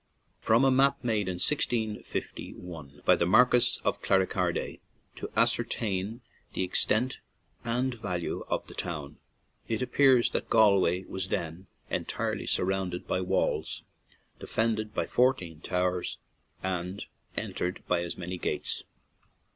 From a map made in 1 651 by the Marquis of Clanricarde to ascertain the extent and value of the 98 RECESS TO GALWAY town, it appears that Galway was then entirely surrounded by walls, defended by fourteen towers, and entered by as many gates.